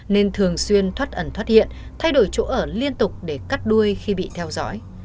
nên thường xuyên thoát ẩn thoát hiện thay đổi chỗ ở liên tục để cắt đuôi khi bị theo dõi